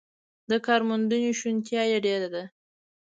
د کارموندنې شونتیا یې ډېره ده.